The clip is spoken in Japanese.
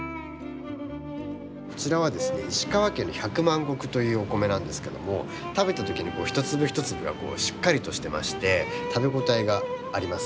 こちらはですね石川県のひゃくまん穀というお米なんですけども食べた時に一粒一粒がしっかりとしてまして食べ応えがあります。